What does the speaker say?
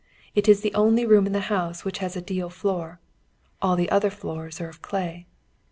It is the only room in the house which has a deal floor, all the other floors are of clay.